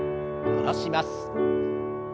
下ろします。